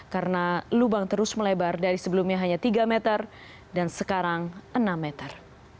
karena lubang terus melebar dari sebelumnya hanya tiga meter dan sekarang enam meter